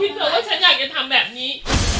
เธอว่าฉันอยากจะทำแบบนี้